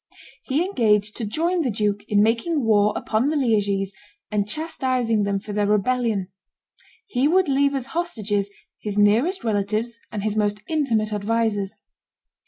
He engaged to join the duke in making war upon the Liegese and chastising them for their rebellion. He would leave as hostages his nearest relatives and his most intimate advisers.